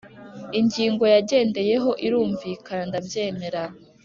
Ingingo yagendeyeho irumvikana ndabyemera